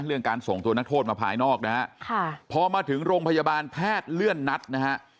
เรื่องการส่งตัวนักโทษมาภายนอกนะฮะค่ะพอมาถึงโรงพยาบาลแพทย์เลื่อนนัดนะฮะ